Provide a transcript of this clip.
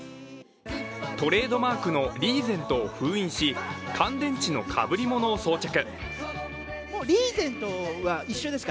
トレードマークのリーゼントを封印し、乾電池のかぶり物を装着。